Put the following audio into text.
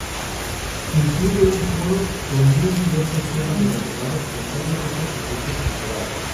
Incluye un foro con muy diversos temas relacionados con todos estos productos culturales.